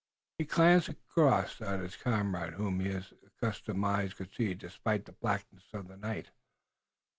He glanced across at his comrade, whom his accustomed eyes could see despite the blackness of the night.